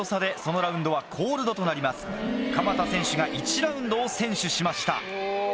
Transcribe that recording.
鎌田選手が１ラウンドを先取しました。